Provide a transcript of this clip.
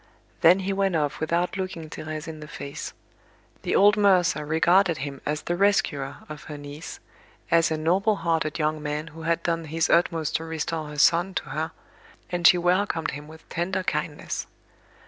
Then he went off without looking Thérèse in the face. The old mercer regarded him as the rescuer of her niece, as a noble hearted young man who had done his utmost to restore her son to her, and she welcomed him with tender kindness.